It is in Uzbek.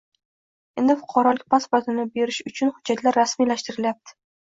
Endi fuqarolik pasportini berish uchun hujjatlar rasmiylashtirilyapti.